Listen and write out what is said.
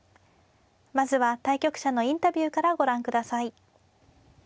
まずは対局者のインタビューからご覧ください。